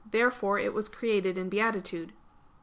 Therefore it was created in beatitude.